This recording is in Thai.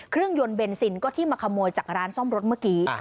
เครื่องยนต์เบนซินก็ที่มาขโมยจากร้านซ่อมรถเมื่อกี้